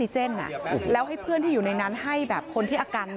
ใช่๑๒คนอัดอยู่ในนิฟต์